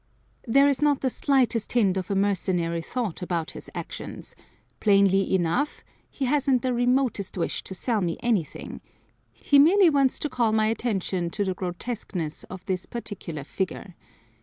There is not the slightest hint of a mercenary thought about his actions; plainly enough, he hasn't the remotest wish to sell me anything he merely wants to call my attention to the grotesqueness of this particular figure.